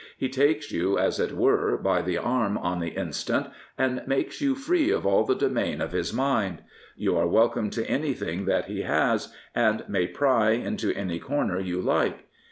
He takes you, as it were, by the arm on the instant, and makes you free of all the domain of his mind. You are welcome to anything that he has, and may pry into Prophets, Priests, and Kings any corner you like.